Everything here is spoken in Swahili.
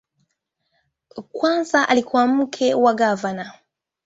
Kwanza alikuwa mke wa gavana.